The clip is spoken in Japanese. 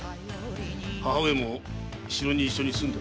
母上も城に一緒に住んでは？